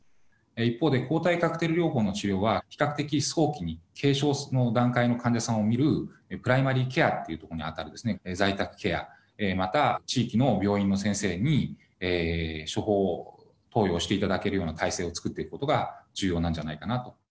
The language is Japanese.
一方で、抗体カクテル療法の病院は比較的早期に軽症の患者さんを診るプライマリーケアということに当たる在宅ケア、また地域の病院の先生に処方、投与していただけるような体制を作っていくことが重要なんじゃないかなと。